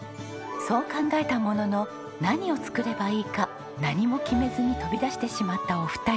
そう考えたものの何を作ればいいか何も決めずに飛び出してしまったお二人。